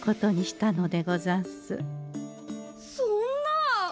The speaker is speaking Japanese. そんな。